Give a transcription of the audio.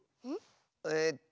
えっと